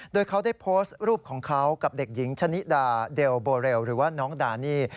โดยเขาได้โพสต์รูปของเขากับเด็กหญิงชะนิดาเดลโบเรลหรือว่าน้องดานี่